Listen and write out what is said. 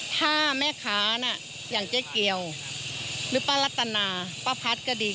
ถ้าแม่ค้าน่ะอย่างเจ๊เกียวหรือป้ารัตนาป้าพัดก็ดี